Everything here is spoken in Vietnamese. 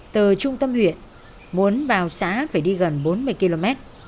từ trung tâm huyện muốn vào xã phải đi gần bốn mươi km